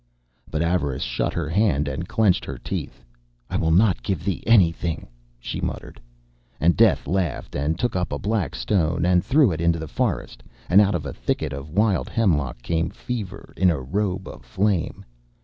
But Avarice shut her hand, and clenched her teeth. 'I will not give thee anything,' she muttered. And Death laughed, and took up a black stone, and threw it into the forest, and out of a thicket of wild hemlock came Fever in a robe of flame.